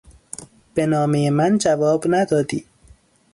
به نامهی من جواب ندادی.